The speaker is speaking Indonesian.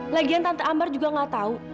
lagian tante ambar juga gak tau